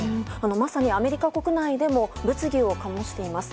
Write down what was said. まさにアメリカ国内でも物議を醸しています。